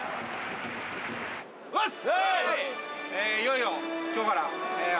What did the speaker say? よし！